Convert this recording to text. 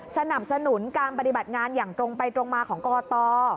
สนับสนุนการปฏิบัติงานอย่างตรงไปตรงมาของกต